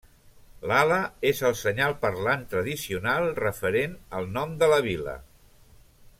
L'ala és el senyal parlant tradicional referent al nom de la vila.